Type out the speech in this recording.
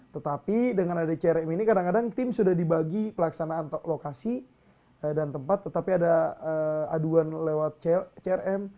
tetapi dengan ada crm ini kadang kadang tim sudah dibagi pelaksanaan lokasi dan tempat tetapi ada aduan lewat crm